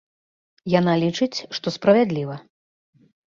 Яна лічыць, што справядліва.